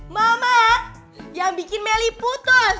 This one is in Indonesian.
mama yang bikin meli putus